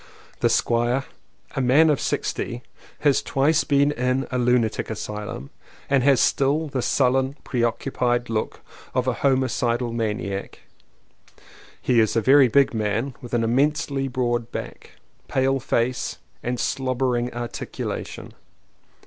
The Squire, a man of sixty, has twice been in a lunatic asylum and has still the sullen, pre occupied look of a homicidal maniac. He is a very big man with an immensely broad back, pale face and slobbering articu lation.